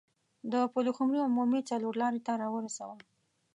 د پلخمري عمومي څلور لارې ته راورسوه.